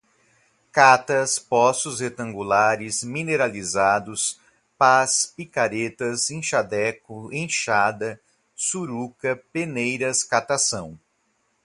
catas, poços retangulares, mineralizados, pás, picaretas, enxadeco, enxada, suruca, peneiras, catação